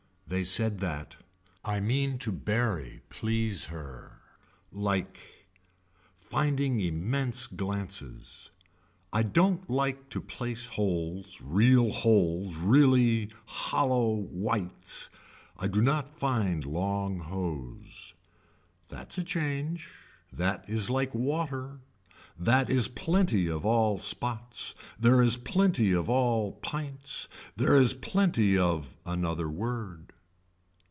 They said that. I mean to bury please her. Like. Finding immense glances. I don't like to place holes real holes really hollow whites. I do not find long hoes. That's a change. That is like water. That is plenty of all spots. There is plenty of all pints. There is plenty of another word.